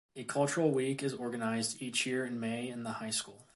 A cultural week is organized each year in May in the high school.